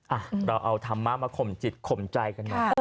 อ่ะเราร่าทำมะมาขมนิจขมใจกันเลย